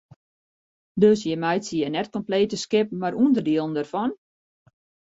Dus jim meitsje hjir net komplete skippen mar ûnderdielen dêrfan?